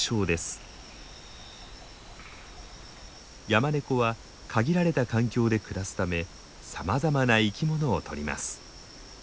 ヤマネコは限られた環境で暮らすためさまざまな生き物をとります。